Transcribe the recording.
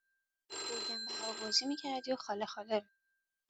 گرگم به هوا بازی می کردی و خاله خاله